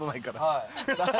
はい。